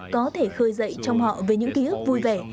có thể khơi dậy trong họ về những ký ức vui vẻ